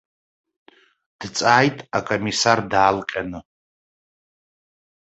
Дҵааит акомиссар даалҟьаны.